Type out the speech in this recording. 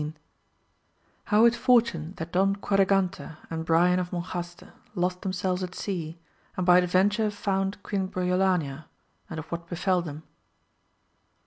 — How it fortuned that Don Qiiadragante and Brian of MoDJaste lost themselves at sea, and by adventure found Queen Briolania, and of what befell them.